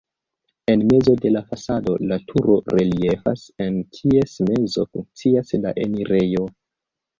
En mezo de la fasado la turo reliefas, en ties mezo funkcias la enirejo.